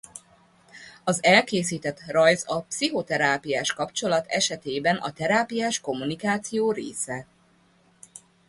Az elkészített rajz a pszichoterápiás kapcsolat esetében a terápiás kommunikáció része.